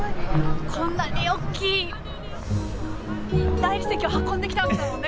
こんなに大きい大理石を運んできたわけだもんね